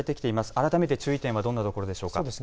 改めて注意点はどんなところでしょうか。